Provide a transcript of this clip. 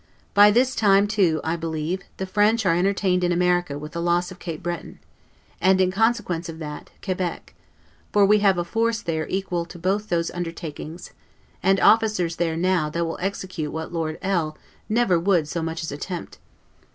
By this time, too, I believe, the French are entertained in America with the loss of Cape Breton; and, in consequence of that, Quebec; for we have a force there equal to both those undertakings, and officers there, now, that will execute what Lord L never would so much as attempt.